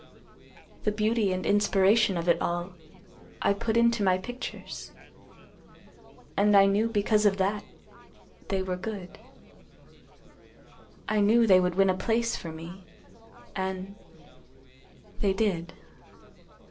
The beauty and inspiration of it all I put into my pictures, and I knew because of that they were good—I knew they would win a place for me—and—they did.